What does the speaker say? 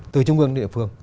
từ trung ương đến địa phương